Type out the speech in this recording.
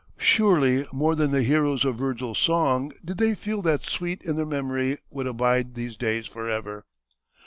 Surely more than the heroes of Virgil's song did they feel that sweet in their memory would abide these days forever.